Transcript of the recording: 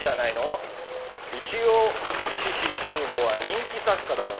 一応志士十五は人気作家だろう。